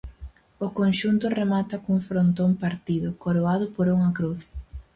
O conxunto remata cun frontón partido, coroado por unha cruz.